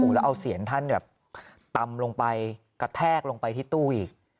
แล้วเอาเสียงท่านแบบตำลงไปกระแทกลงไปที่ตู้อีก